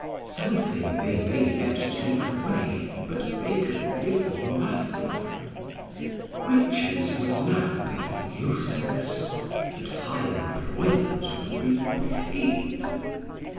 Something they may yet take away, but they can give me nothing. Riches would now be useless, and high employment would be pain.